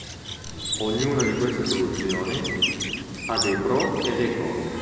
Ognuna di queste soluzioni ha dei pro e dei contro.